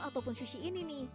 ataupun sushi ini nih